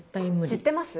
知ってます？